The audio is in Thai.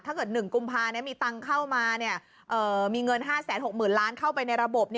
ถ้าเกิด๑กุมภามีตังค์เข้ามามีเงิน๕๖๐๐๐ล้านเข้าไปในระบบ